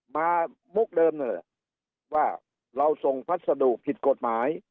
มุกเดิมหน่อยว่าเราส่งพัสดุผิดกฎหมาย